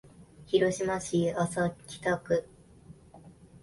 広島市安佐北区